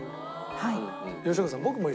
はい。